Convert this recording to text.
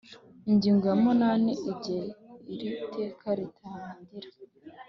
Ingingo ya munani Igihe iri Teka ritangira